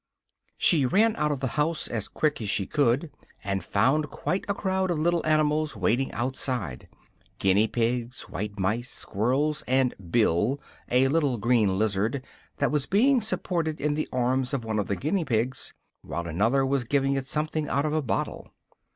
She ran out of the house as quick as she could, and found quite a crowd of little animals waiting outside guinea pigs, white mice, squirrels, and "Bill" a little green lizard, that was being supported in the arms of one of the guinea pigs, while another was giving it something out of a bottle.